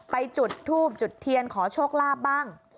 จุดทูบจุดเทียนขอโชคลาภบ้าง